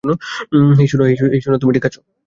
হেই সোনা তুমি ঠিক আছ?